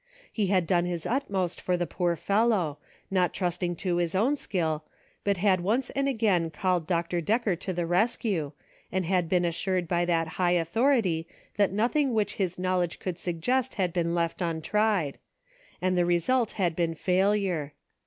He had done his utmost for the poor fellow, not trusting to his own skill, but had once and again called Dr. Decker to the rescue, and had been assured by that high authority that nothing which his knowledge could suggest had been left untried ; and the result 3l6 CIRCLES WITHIN CIRCLES. had been failure.